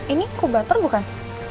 ini kubatur bukan